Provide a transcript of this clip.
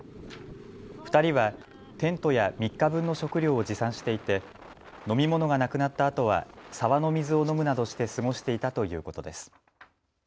２人はテントや３日分の食料を持参していて飲み物がなくなったあとは沢の水を飲むなどして過ごしていたということです。